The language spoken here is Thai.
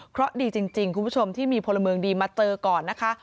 เพราะดีจริงคุณผู้ชมที่มีพลเมืองดีมาเจอก่อนนะคะ